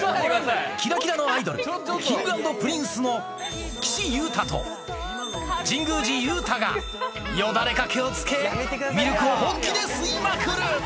きらきらのアイドル、Ｋｉｎｇ＆Ｐｒｉｎｃｅの岸優太と、神宮寺勇太が、よだれかけをつけ、ミルクを本気で吸いまくる。